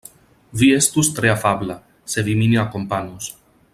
Vi estus tre afabla, se vi min akompanus.